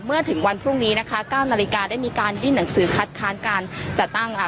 เมื่อถึงวันพรุ่งนี้นะคะเก้านาฬิกาได้มีการยื่นหนังสือคัดค้านการจัดตั้งอ่า